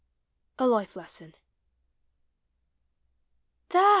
A LIFE LESSON. There!